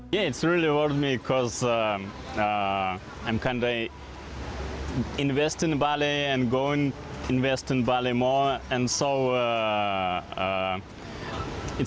ini sangat menarik karena saya berinvestasi di bali dan berinvestasi di bali lebih banyak